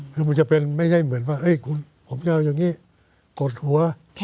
คือมันจะเป็นไม่ใช่เหมือนว่าผมจะเอาอย่างนี้กดหัว